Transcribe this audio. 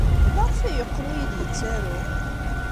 Maɣef ay yeqqel ur iyi-d-yettaru?